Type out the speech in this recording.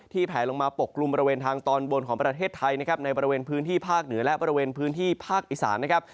แผลลงมาปกกลุ่มบริเวณทางตอนบนของประเทศไทยนะครับในบริเวณพื้นที่ภาคเหนือและบริเวณพื้นที่ภาคอีสานนะครับ